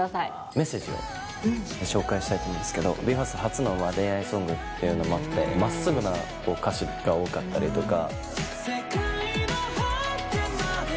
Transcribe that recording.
メッセージを紹介したいと思いますけど、ＢＥ：ＦＩＲＳＴ初の恋愛ソングということもあって、まっすぐな歌詞が多かったりとか。